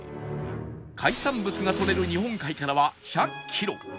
海産物がとれる日本海からは１００キロ